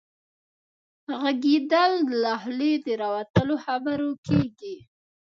ږغيدل له خولې د راوتلو خبرو کيږي.